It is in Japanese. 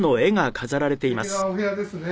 すてきなお部屋ですね」